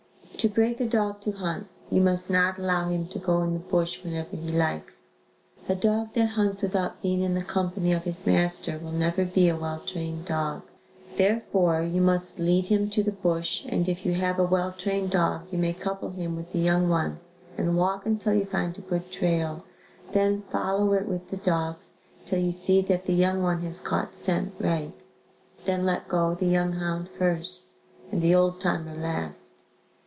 To break a dog to hunt, you must not allow him to go in the bush whenever he likes. A dog that hunts without being in the company of his master will never be a well trained dog. Therefore, you must lead him in the bush and if you have a well trained dog, you may couple him with the young one and walk until you find a good trail then follow it with the dogs till you see that the young one has caught scent right, then let go the young hound first and the "old timer" last.